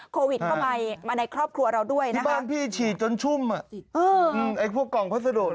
โควิดเข้ามาในครอบครัวเราด้วยนะบ้านพี่ฉีดจนชุ่มไอ้พวกกล่องพัสดุ